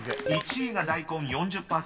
［１位が大根４０％］